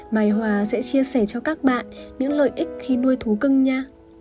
mai hoa sẽ chia sẻ cho các bạn những lợi ích khi nuôi thú cưng nhé